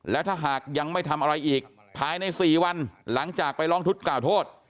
และถ้าหากยังไม่ทำอะไรอีกภายใน๔วันหลังจากไปร้องทุกข์กล่าวโทษ